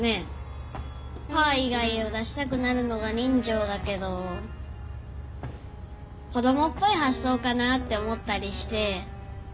「パー」以外を出したくなるのが人情だけど子供っぽい発想かなって思ったりして。